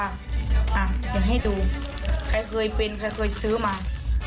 เดี๋ยวให้ดูใครเคยเป็นใครเคยซื้อมา